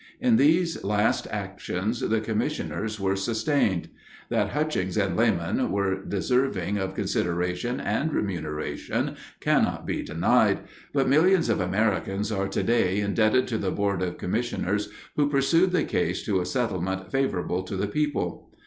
In these last actions the commissioners were sustained. That Hutchings and Lamon were deserving of consideration and remuneration cannot be denied, but millions of Americans are today indebted to the board of commissioners who pursued the case to a settlement favorable to the people.